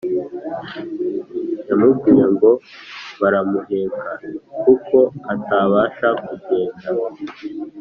yamubwiye ngo baramuheka kuko atabasha kugendz